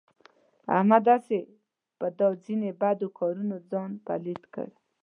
احمد هسې په دا ځنې بدو کارونو ځان پلیت کړ.